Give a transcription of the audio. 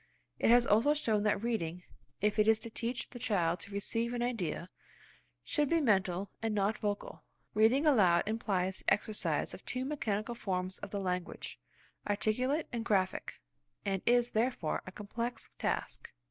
It has also shown that reading, if it is to teach the child to receive an idea, should be mental and not vocal. Reading aloud implies the exercise of two mechanical forms of the language–articulate and graphic–and is, therefore, a complex task.